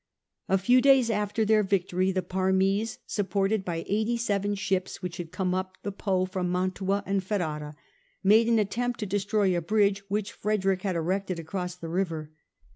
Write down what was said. A few days after their victory, the Parmese, supported by eighty seven ships which had come up the Po from Mantua and Ferrara, made an attempt to destroy a bridge which Frederick had erected across the river.